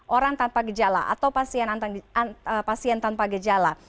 orang tanpa gejala atau pasien tanpa gejala